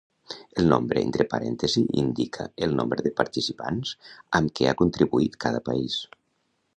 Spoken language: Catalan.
El nombre entre parèntesi indica el nombre de participants amb què ha contribuït cada país.